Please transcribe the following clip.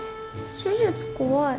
手術怖い。